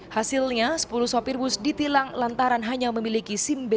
hasilnya sepuluh sopir bus ditilang lantaran hanya memiliki sim b